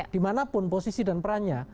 dimanapun posisi dan perannya